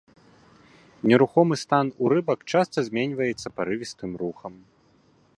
Нерухомы стан у рыбак часта зменьваецца парывістым рухам.